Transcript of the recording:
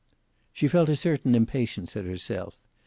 She felt a certain impatience at herself.